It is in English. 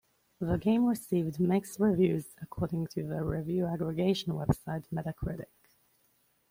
The game received "mixed" reviews according to the review aggregation website Metacritic.